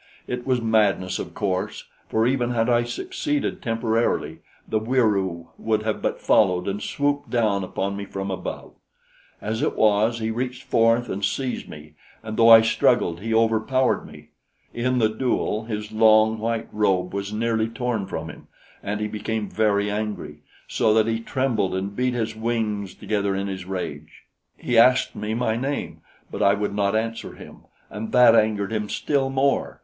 It was madness of course, for even had I succeeded temporarily, the Wieroo would have but followed and swooped down upon me from above. As it was, he reached forth and seized me, and though I struggled, he overpowered me. In the duel his long, white robe was nearly torn from him, and he became very angry, so that he trembled and beat his wings together in his rage. "He asked me my name; but I would not answer him, and that angered him still more.